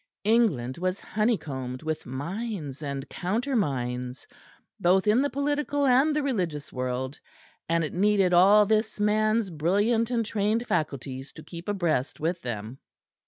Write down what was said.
England was honeycombed with mines and countermines both in the political and the religious world, and it needed all this man's brilliant and trained faculties to keep abreast with them.